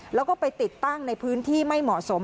แล้วก็ไปติดตั้งในพื้นที่ไม่เหมาะสม